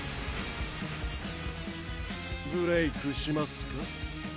ブレイクしますか？